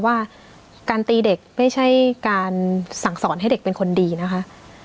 ว่าการตีเด็กไม่ใช่การสั่งสอนให้เด็กเป็นคนดีนะคะ